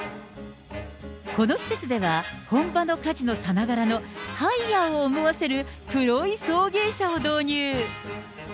この施設では、本場のカジノさながらのハイヤーを思わせる黒い送迎車を導入。